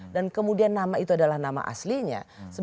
dan kemudian nama itu adalah nama aslinya